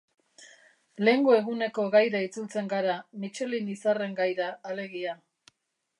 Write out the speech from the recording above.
Lehengo eguneko gaira itzultzen gara, Michelin izarren gaira, alegia.